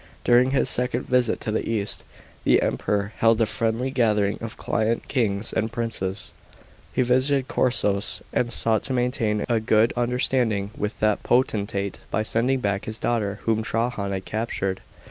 During his second visit to the east, the Emperor held a friendly gathering of client kings and princes. He visited Chosroes, and sought to maintain a good understanding with that potentate by sending back his 125 ; 129 A.D VISITS TO GREECE. 505 daughter, whom Trajan had captured.